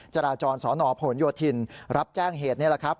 จราจรสนผลโยธินรับแจ้งเหตุนี่แหละครับ